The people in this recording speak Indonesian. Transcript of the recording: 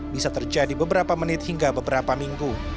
bisa terjadi beberapa menit hingga beberapa minggu